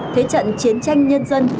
thế trận chiến tranh nhân dân